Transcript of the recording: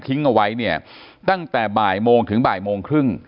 เอาไว้เนี่ยตั้งแต่บ่ายโมงถึงบ่ายโมงครึ่ง